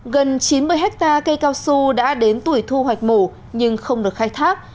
gần chín mươi hectare cây cao su đã đến tuổi thu hoạch mổ nhưng không được khai thác